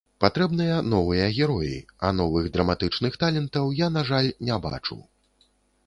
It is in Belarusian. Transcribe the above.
Патрэбныя новыя героі, а новых драматычных талентаў я, на жаль, не бачу.